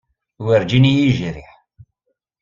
Werǧin ay iyi-yejriḥ.